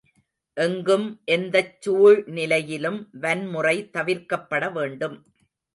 எங்கும் எந்தச் சூழ்நிலையிலும் வன்முறை தவிர்க்கப்பட வேண்டும்.